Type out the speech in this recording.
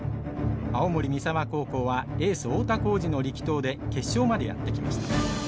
青森三沢高校はエース太田幸司の力投で決勝までやって来ました。